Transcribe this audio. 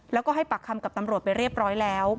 แล้วก็ให้ปากคำกับตำรวจไปเรียบร้อยแล้ว